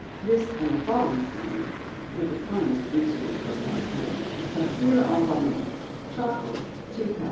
This and the following formula give the finest mixtures for pastils. PASTILLES ENBAUMÉES. Charcoal 2 lb.